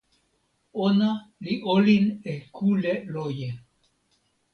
ona li olin e kule loje.